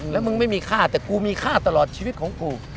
แล้วมึงไม่มีค่าแต่กูมีค่าตลอดชีวิตของกู